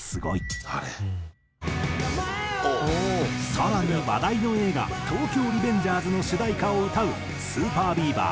更に話題の映画『東京リベンジャーズ』の主題歌を歌うＳＵＰＥＲＢＥＡＶＥＲ